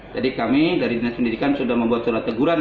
kami dari dinas pendidikan sudah membuat surat teguran